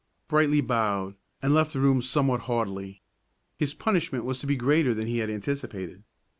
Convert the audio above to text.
Brightly bowed, and left the room somewhat haughtily. His punishment was to be greater than he had anticipated.